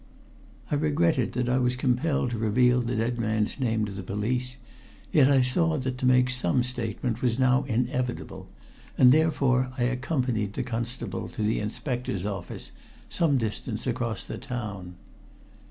I regretted that I was compelled to reveal the dead man's name to the police, yet I saw that to make some statement was now inevitable, and therefore I accompanied the constable to the inspector's office some distance across the town.